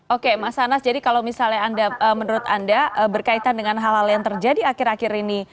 oke mas anas jadi kalau misalnya anda menurut anda berkaitan dengan hal hal yang terjadi akhir akhir ini